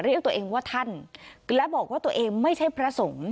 เรียกตัวเองว่าท่านและบอกว่าตัวเองไม่ใช่พระสงฆ์